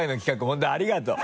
本当にありがとう。